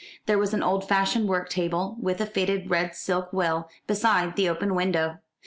There was an old fashioned work table, with a faded red silk well, beside the open window.